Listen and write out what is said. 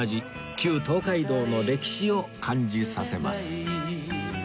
旧東海道の歴史を感じさせます